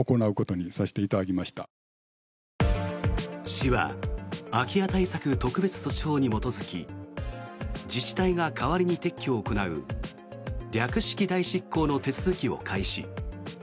市は空き家対策特別措置法に基づき自治体が代わりに撤去を行う略式代執行の手続きを開始。